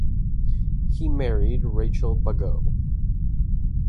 He married Rachel Bagot.